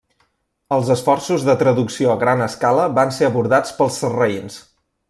Els esforços de traducció a gran escala van ser abordats pels sarraïns.